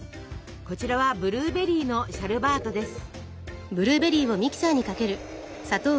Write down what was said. こちらはブルーベリーのシャルバートです。